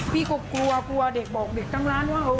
พี่ก็กลัวกลัวเด็กบอกเด็กทั้งร้านว่า